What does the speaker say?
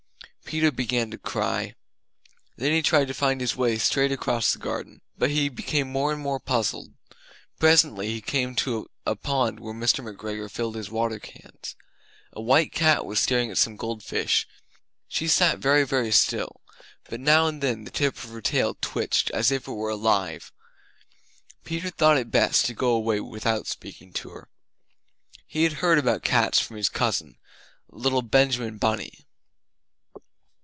Peter began to cry. Then he tried to find his way straight across the garden, but he became more and more puzzled. Presently he came to a pond where Mr. McGregor filled his water cans. A white cat was staring at some gold fish; she sat very, very still, but now and then the tip of her tail twitched as if it were alive. Peter thought it best to go away without speaking to her. He had heard about cats from his cousin, little Benjamin Bunny.